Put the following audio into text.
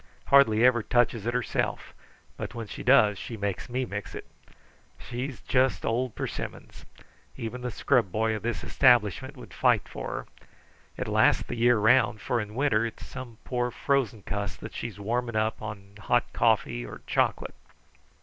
Hardly ever touches it herself, but when she does she makes me mix it. She's just old persimmons. Even the scrub boy of this establishment would fight for her. It lasts the year round, for in winter it's some poor, frozen cuss that she's warming up on hot coffee or chocolate."